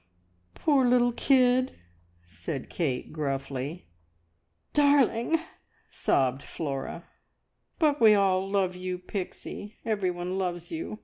"Poor little kid!" said Kate gruffly. "D arling!" sobbed Flora. "But we all love you, Pixie! Everyone loves you!